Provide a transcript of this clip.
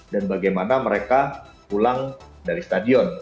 dan bagaimana mereka pulang dari stadion